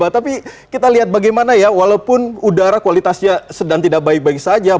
tapi kita lihat bagaimana ya walaupun udara kualitasnya sedang tidak baik baik saja